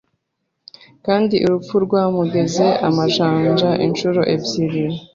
kandi urupfu rwamugeze amajanja incuro ebyiri